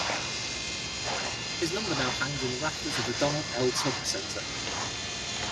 His number now hangs in the rafters of the Donald L. Tucker Center.